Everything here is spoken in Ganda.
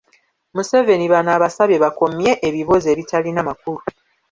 Museveni bano abasabye bakomye ebiboozi ebitalina makulu.